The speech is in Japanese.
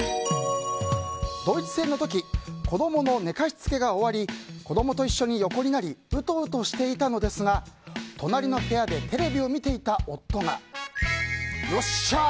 ドイツ戦の時子供の寝かし付けが終わり子供と横になりうとうとしていたのですが隣の部屋でテレビを見ていた夫がよっしゃー！